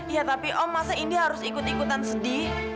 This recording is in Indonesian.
iya tapi om masa indi harus ikut ikutan sedih